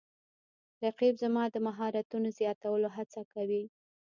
رقیب زما د مهارتونو د زیاتولو هڅه کوي